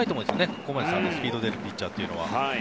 ここまでスピードの出るピッチャーというのは。